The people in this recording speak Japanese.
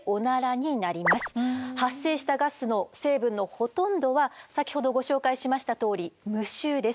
発生したガスの成分のほとんどは先ほどご紹介しましたとおり無臭です。